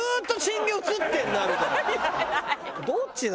「どっちだ？」